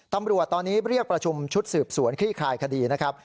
ตำรวจตอนนี้เรียกประชุมชุดสืบสวนคลี่คลายคดีนะครับ